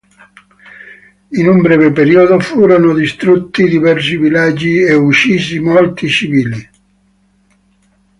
In un breve periodo furono distrutti diversi villaggi e uccisi molti civili.